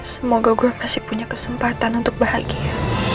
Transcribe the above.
semoga grup masih punya kesempatan untuk bahagia